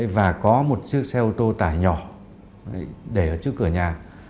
và có một chiếc xe ô tô tải nhỏ để ở trước cửa nhà